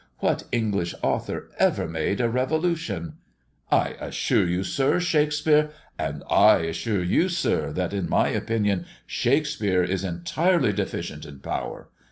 What English author ever made a revolution?" "I assure you, sir, Shakespeare " "And I assure you, sir, that, in my opinion, Shakespeare is entirely deficient in power.